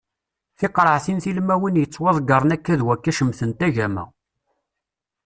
Tiqreɛtin tilmawin yettwadeggren akka d wakka cemtent agama.